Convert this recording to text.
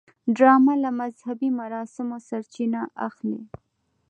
ډرامه له مذهبي مراسمو سرچینه اخلي